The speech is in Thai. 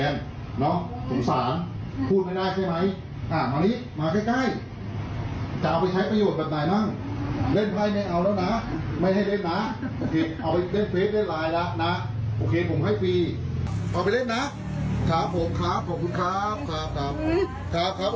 นะเล่นไฟแม่งเอาแล้วนะไม่ให้เล่นนะ